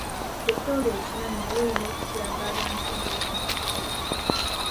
Ggwe ky'oli okimanyi naye olina okukiraga abantu ng'oyita mu kwogera.